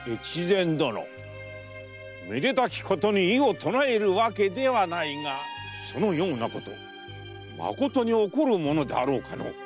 越前殿めでたきことに異を唱えるわけではないがそのようなことまことに起こるものであろうかの？